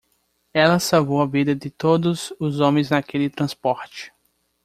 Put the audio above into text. Ela salvou a vida de todos os homens naquele transporte.